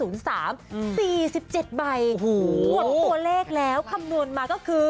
หมดตัวเลขแล้วคำนวณมาก็คือ